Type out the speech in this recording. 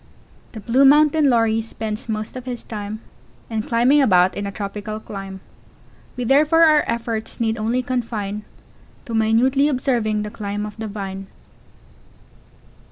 ] The Blue Mountain Lory spends most of his time In climbing about in a tropical clime; We therefore our efforts need only confine, To minutely observing the climb of the Vine.